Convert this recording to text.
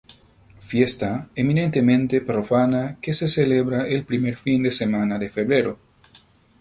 Fiesta eminentemente profana que se celebra el primer fin de semana de febrero.